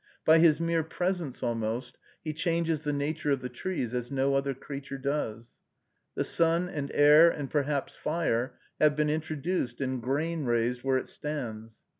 By his mere presence, almost, he changes the nature of the trees as no other creature does. The sun and air, and perhaps fire, have been introduced, and grain raised where it stands.